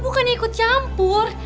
bukannya ikut campur